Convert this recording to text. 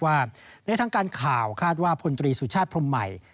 ในทางการข่าวคาดว่าพลตรีสุชาติพรมใหม่